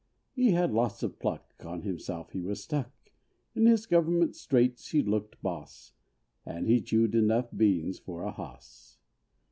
He had lots of pluck, on himself he was stuck, In his Government straights he looked "boss," And he chewed enough beans for a hoss.